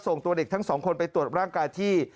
ตัวเด็กทั้งสองคนไปตรวจร่างกายที่